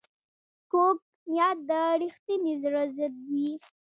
کوږ نیت د رښتیني زړه ضد وي